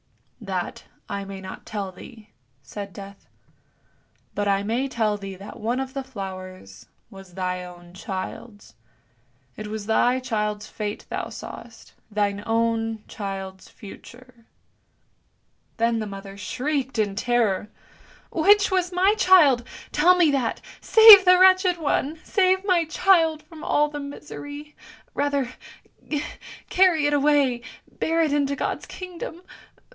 " "That I may not tell thee," said Death; "but I may tell thee that one of the flowers was thy own child's; it was thy child's fate thou sawest, thine own child's future." Then the mother shrieked in terror. " Which was my child? tell me that ! Save the wretched one ! Save my child from all the misery! Rather carry it away! bear it into God's kingdom!